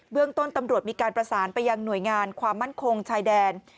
เรื่องต้นตำรวจมีการประสานไปยังหน่วยงานความมั่นคงชายแดน